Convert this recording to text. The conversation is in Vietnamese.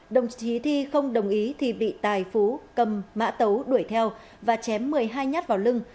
đồng chí thi không đồng ý thì bị tài phú cầm mã tấu đuổi theo và chém một mươi hai nhát vào lưng